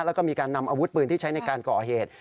แล้วก็มีการนำอาวุธปืนที่ใช้ในการก่อเหตุ